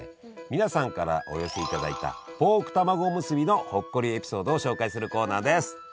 皆さんからお寄せいただいたポークたまごおむすびのほっこりエピソードを紹介するコーナーです。